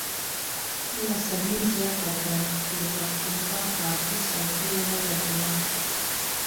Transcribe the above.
یاسمین زیاته کړه چې د پښتونخوا پارټۍ څوکۍ یې وګټله.